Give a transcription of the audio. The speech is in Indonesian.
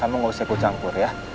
kamu gak usah ikut campur ya